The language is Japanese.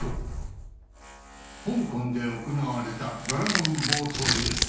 香港で行われたドラゴンボートレース